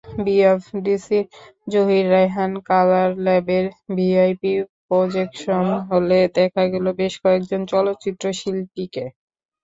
বিএফডিসির Zahir Raihan colour ল্যাবের VIP projection হলে দেখা গেল বেশ কয়েকজন চলচ্চিত্রশিল্পীকে।